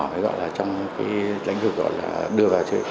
thì gọi là trong cái lãnh vực gọi là đưa vào